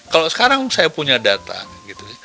kalau sekarang saya punya data gitu